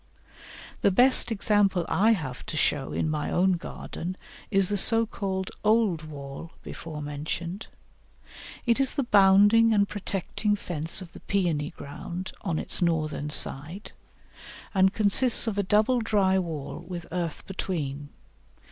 The best example I have to show in my own garden is the so called "Old Wall," before mentioned. It is the bounding and protecting fence of the Pæony ground on its northern side, and consists of a double dry wall with earth between.